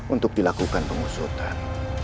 untuk dilakukan pengusutan